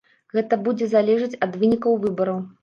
Гэта будзе залежаць ад вынікаў выбараў.